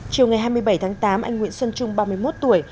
chiều ngày hai mươi bảy tháng tám anh nguyễn xuân trung ba mươi một tuổi